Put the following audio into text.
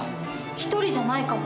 １人じゃないかも。